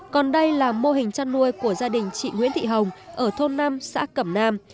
còn đây là mô hình chăn nuôi của gia đình chị nguyễn thị hồng ở thôn năm xã cẩm nam